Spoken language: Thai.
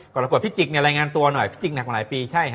กรกฎพิจิกเนี่ยรายงานตัวหน่อยพี่จิกหนักมาหลายปีใช่ฮะ